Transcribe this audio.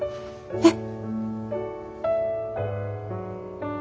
えっ？